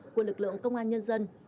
của lực lượng công an nhân dân